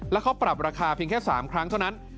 แล้วเขาปรับราคาเพียงแค่๓ครั้งเท่านั้น